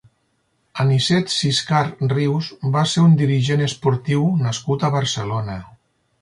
Anicet Ciscar Rius va ser un dirigent esportiu nascut a Barcelona.